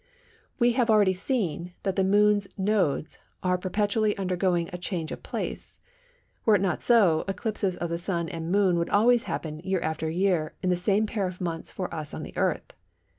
We have already seen that the Moon's nodes are perpetually undergoing a change of place. Were it not so, eclipses of the Sun and Moon would always happen year after year in the same pair of months for us on the Earth.